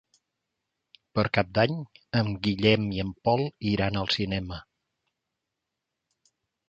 Per Cap d'Any en Guillem i en Pol iran al cinema.